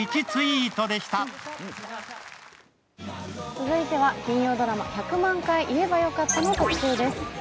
続いては金曜ドラマ「１００万回言えばよかった」の特集です。